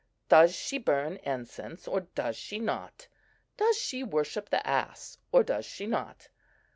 Does she burn incense, or does she not? Does she worship the ass, or does she not?